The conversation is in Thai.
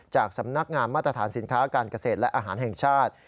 จากสำนักงามมาตรฐานสินค้าการเกษตรและอาหารแห่งชาติ